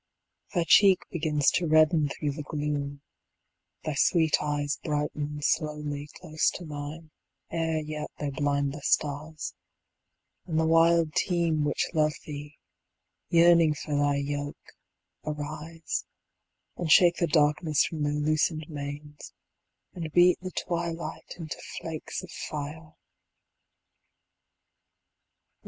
Thy cheek begins to redden thro' the gloom, Thy sweet eyes brighten slowly close to mine, Ere yet they blind the stars, and the wild team Which love thee, yearning for thy yoke, arise, And shake the darkness from their loosen'd manes, And beat the twilight into flakes of fire.